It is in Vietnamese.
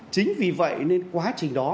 chính vì vậy nên quá trình đó